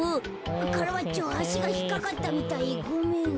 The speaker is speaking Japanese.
カラバッチョあしがひっかかったみたいごめん。